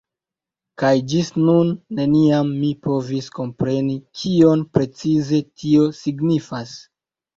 Kaj ĝis nun neniam mi povis kompreni kion precize tio signifas.